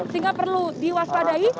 sehingga perlu diwaspadai